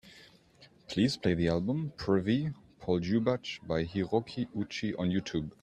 Please play the album Prvi Poljubac by Hiroki Uchi on Youtube.